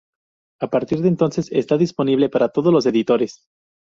A partir de entonces, está disponible para todos los editores.